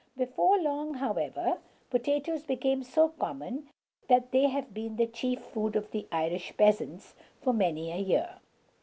Before long, however, potatoes became so common that they have been the chief food of the Irish peasants for many a year.